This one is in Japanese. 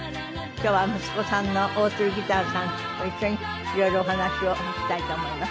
今日は息子さんの大鶴義丹さんと一緒にいろいろお話をしたいと思います。